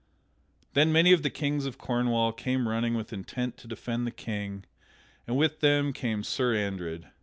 Then many of the knights of Cornwall came running with intent to defend the King, and with them came Sir Andred.